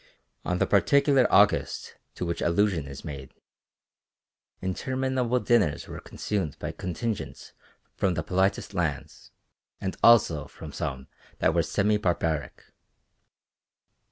On the particular August to which allusion is made, interminable dinners were consumed by contingents from the politest lands, and also from some that were semi barbaric.